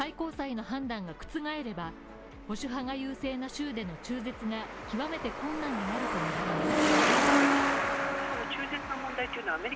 最高裁の判断がくつがえれば、保守派が優勢な州での中絶が極めて困難になるとみられます。